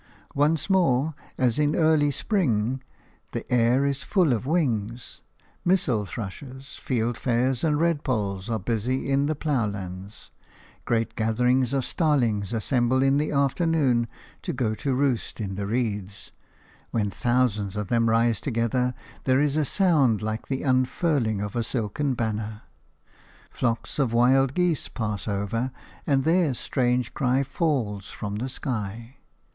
Once more, as in early spring, the air is full of wings, missel thrushes, fieldfares and redpolls are busy in the ploughlands, great gatherings of starlings assemble in the afternoon to go to roost in the reeds; when thousands of them rise together, there is a sound like the unfurling of a silken banner. Flocks of wild geese pass over, and their strange cry falls from the sky.